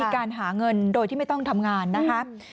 ขอบคุณครับ